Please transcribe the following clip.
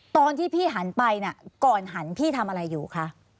ตอนที่พี่หันไปก่อนหันพี่ทำอะไรอยู่คะ